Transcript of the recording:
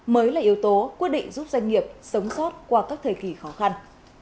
mới là yếu tố quyết định giúp doanh nghiệp sống sót qua các thời kỳ khó khăn